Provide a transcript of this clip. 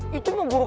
siapa yang mati pak